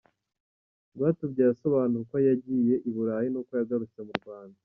Rwatubyaye asobanura uko yagiye i Burayi n’uko yagarutse mu Rwanda .